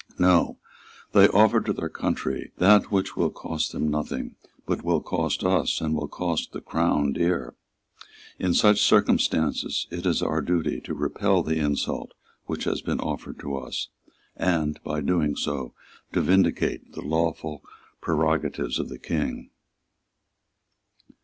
No; they offer to their country that which will cost them nothing, but which will cost us and will cost the Crown dear. In such circumstances it is our duty to repel the insult which has been offered to us, and, by doing so, to vindicate the lawful prerogative of the King.